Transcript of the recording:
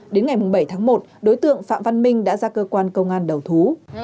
đến ngày bảy tháng một đối tượng phạm văn minh đã ra cơ quan công an đầu thú